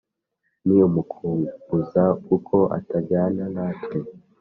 Ni ukumubuza kuko atajyana natwe